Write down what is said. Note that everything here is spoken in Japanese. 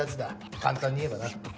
簡単に言えばな。